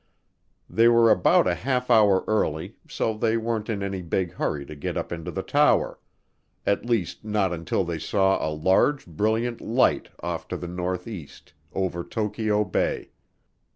They were about a half hour early so they weren't in any big hurry to get up into the tower at least not until they saw a large brilliant light off to the northeast over Tokyo Bay.